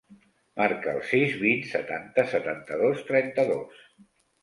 Marca el sis, vint, setanta, setanta-dos, trenta-dos.